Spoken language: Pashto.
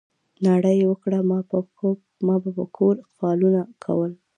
ناره یې وکړه ما به په کور فالونه کول.